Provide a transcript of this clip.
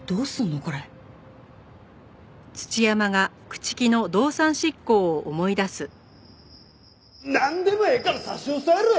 これなんでもええから差し押さえろや！